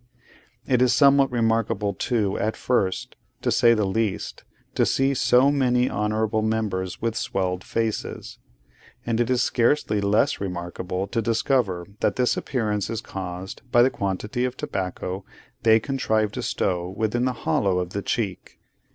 It is somewhat remarkable too, at first, to say the least, to see so many honourable members with swelled faces; and it is scarcely less remarkable to discover that this appearance is caused by the quantity of tobacco they contrive to stow within the hollow of the cheek.